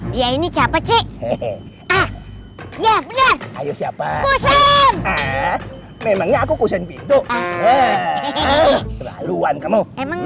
dia ini siapa cik ya benar ayo siapa memangnya aku kusen pintu kebaluan kamu